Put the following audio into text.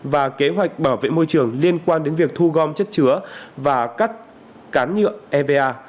và kế hoạch bảo vệ môi trường liên quan đến việc thu gom chất chứa và cắt cán nhựa eva